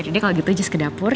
jadi kalau gitu jess ke dapur